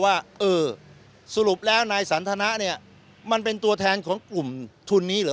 ว่าเออสรุปแล้วนายสันทนะเนี่ยมันเป็นตัวแทนของกลุ่มทุนนี้เหรอ